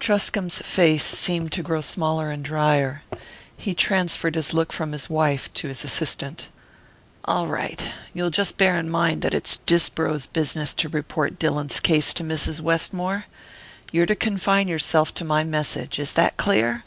Truscomb's face seemed to grow smaller and dryer. He transferred his look from his wife to his assistant. "All right. You'll just bear in mind that it's Disbrow's business to report Dillon's case to Mrs. Westmore? You're to confine yourself to my message. Is that clear?"